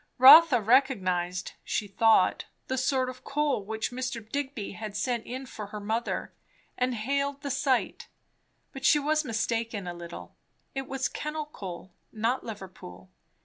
Rotha recognized, she thought, the sort of coal which Mr. Digby had sent in for her mother, and hailed the sight; but she was mistaken, a little; it was kennal coal, not Liverpool.